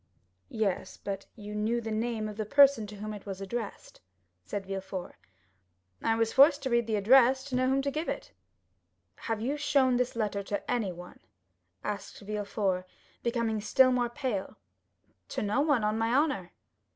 "Yes; but you knew the name of the person to whom it was addressed," said Villefort. "I was forced to read the address to know to whom to give it." "Have you shown this letter to anyone?" asked Villefort, becoming still more pale. "To no one, on my honor."